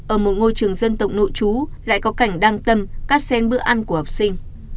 ở một ngôi trường dân tộc nội chú lại có cảnh đăng tâm cát sen bữa ăn của học sinh